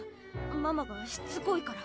ママがしつこいから。